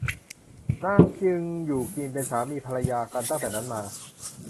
นางจึงอยู่กินเป็นสามีภรรยากันตั้งแต่นั้นมา